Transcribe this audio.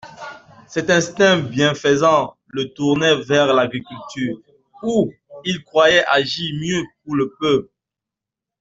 Cet instinct bienfaisant le tournait vers l'agriculture où il croyait agir mieux pour le peuple.